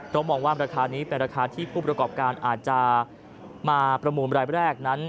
มองว่าราคานี้เป็นราคาที่ผู้ประกอบการอาจจะมาประมูลรายแรกนั้น